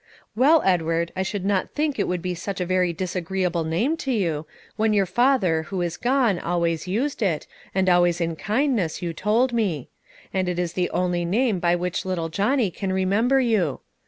"Well, Edward, I should not think it would be such a very disagreeable name to you, when your father, who is gone, always used it, and always in kindness, you told me; and it is the only name by which little Johnny can remember you.